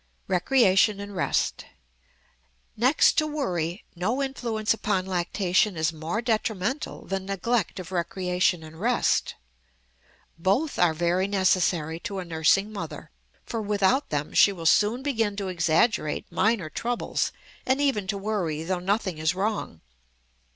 Recreation and Rest. Next to worry no influence upon lactation is more detrimental than neglect of recreation and rest. Both are very necessary to a nursing mother, for without them she will soon begin to exaggerate minor troubles and even to worry though nothing is wrong.